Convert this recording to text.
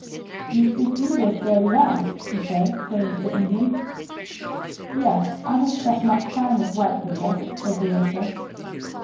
"You speak English very well," he said, turning to the Indian. "Yes; I have spent much time with white people," was the answer.